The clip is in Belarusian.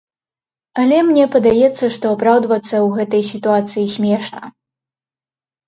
Але мне падаецца, што апраўдвацца ў гэтай сітуацыі смешна.